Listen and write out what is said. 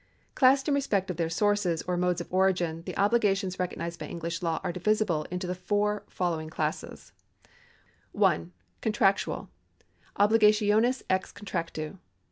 Classed in respect of their soiu'ces or modes of origin, the obhgations recognised by English law are divisible into the following four classes : (1) Contractital — Obligatioues ex contractu.